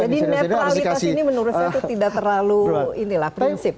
jadi netralitas ini menurut saya tidak terlalu prinsip